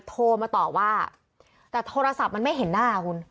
โทรมาต่อว่าแต่โทรศัพท์มันไม่เห็นหน้าคุณ